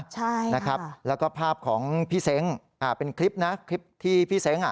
ใช่นะครับแล้วก็ภาพของพี่เซ้งอ่าเป็นคลิปนะคลิปที่พี่เซ้งอ่ะ